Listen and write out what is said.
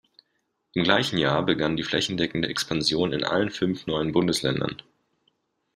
Im gleichen Jahr begann die flächendeckende Expansion in allen fünf neuen Bundesländern.